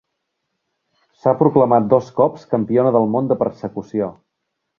S'ha proclamat dos cops Campiona del món de persecució.